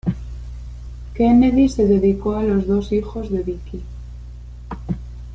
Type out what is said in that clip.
Kennedy se dedicó a los dos hijos de Vicki.